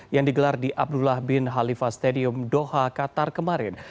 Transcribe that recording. yang digelar di abdullah bin halifa stadium doha qatar kemarin